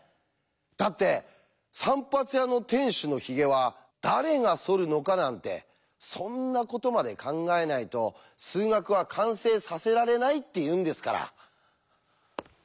だって散髪屋の店主のヒゲは誰がそるのかなんてそんなことまで考えないと数学は完成させられないって言うんですから。